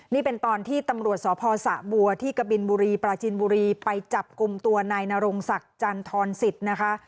นี่เป็นตอนที่ตำรวจสพสะบัวที่กบินบุรีปราจินบุรีไปจับกลุ่มตัวนายนรงศักดิ์จันทรสิทธิ์นะคะ